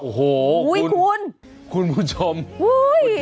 โอ้โฮคุณคุณผู้ชมคุณศีรษะคุณผู้ชมโอ้โฮคุณอุ๊ยคุณ